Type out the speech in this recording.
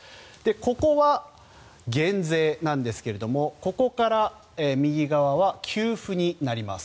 ここは減税なんですがここから右側は給付になります。